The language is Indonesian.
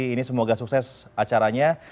ini semoga sukses acaranya